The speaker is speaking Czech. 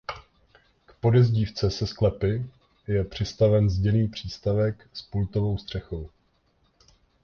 K podezdívce se sklepy je přistavěn zděný přístavek s pultovou střechou.